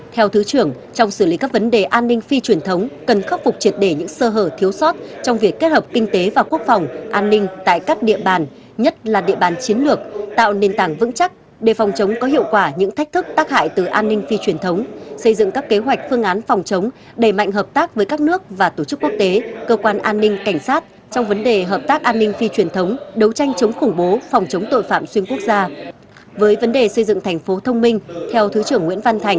theo thứ trưởng trong xử lý các vấn đề an ninh phi truyền thống cần khắc phục triệt để những sơ hở thiếu sót trong việc kết hợp kinh tế và quốc phòng an ninh tại các địa bàn nhất là địa bàn chiến lược tạo nền tảng vững chắc để phòng chống có hiệu quả những thách thức tác hại từ an ninh phi truyền thống xây dựng các kế hoạch phương án phòng chống đẩy mạnh hợp tác với các nước và tổ chức quốc tế cơ quan an ninh cảnh sát trong vấn đề hợp tác an ninh phi truyền thống đấu tranh chống khủng bố phòng chống tội phạm xuyên quốc gia